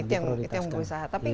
itu yang berusaha